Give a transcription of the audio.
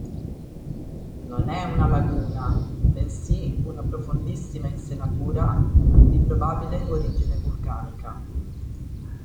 Non è una laguna bensì una profondissima insenatura, di probabile origine vulcanica.